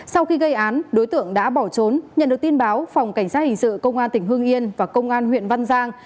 sau khi gây án đối tượng đã bỏ trốn nhận được tin báo phòng cảnh sát hình sự công an tỉnh hương yên và công an huyện văn giang